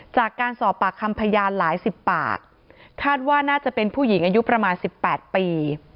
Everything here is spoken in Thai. จากการสอบปากคำพยานหลายสิบปากคาดว่าน่าจะเป็นผู้หญิงอายุประมาณ๑๘ปี